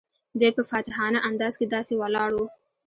دوی په فاتحانه انداز کې داسې ولاړ وو.